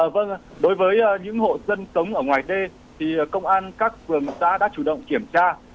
vâng đối với những hộ dân sống ở ngoài t thì công an các phường xã đã chủ động kiểm tra